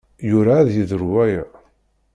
Yura ad yeḍru waya.